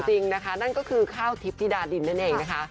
จริงนะคะนั่นก็คือข้าวทิพย์ธิดาดินนั่นเองนะคะ